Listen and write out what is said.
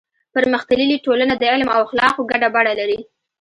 پرمختللې ټولنه د علم او اخلاقو ګډه بڼه لري.